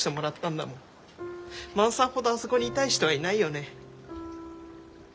万さんほどあそこにいたい人はいないよね。